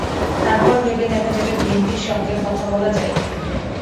তারপর ভেবে দেখা যাবে বিএনপির সঙ্গে কথা বলা যায় কি না?